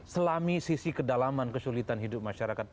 selami sisi kedalaman kesulitan hidup masyarakat